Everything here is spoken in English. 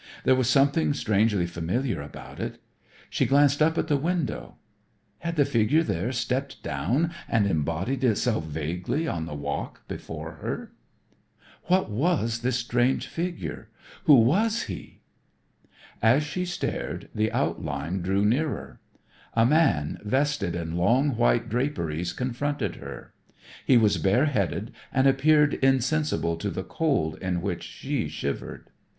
There was something strangely familiar about it. She glanced up at that window. Had the figure there stepped down and embodied itself vaguely on the walk before her? [Illustration: She laid her hand upon the knob of the church door.] What was this strange figure? Who was he? As she stared, the outline drew nearer. A man vested in long white draperies confronted her. He was bareheaded and appeared insensible to the cold in which she shivered.